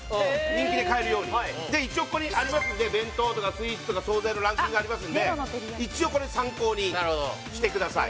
人気で買えるようにで一応ここにありますんで弁当とかスイーツとか惣菜のランキングがありますんで一応これ参考にしてください